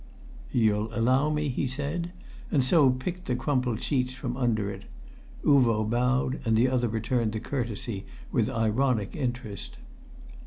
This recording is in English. "You'll allow me?" he said, and so picked the crumpled sheets from under it. Uvo bowed, and the other returned the courtesy with ironic interest.